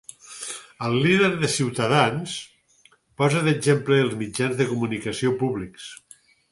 El líder de Ciutadans posa d'exemple els mitjans de comunicació públics.